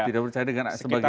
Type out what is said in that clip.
tidak percaya dengan sebagian